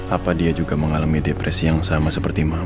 apa dia juga mengalami depresi yang sama seperti mama